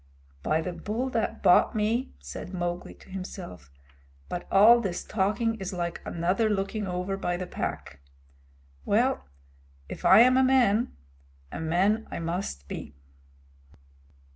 "By the Bull that bought me," said Mowgli to himself, "but all this talking is like another looking over by the Pack! Well, if I am a man, a man I must become."